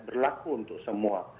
berlaku untuk semua